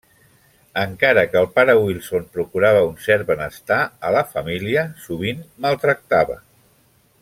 Encara que el pare Wilson procurava un cert benestar a la família, sovint maltractava.